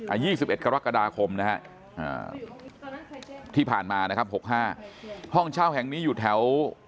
อายุ๒๑กรกฎาคมนะที่ผ่านมานะครับ๖๕ห้องเช่าแห่งนี้อยู่แถว